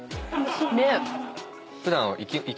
ねっ。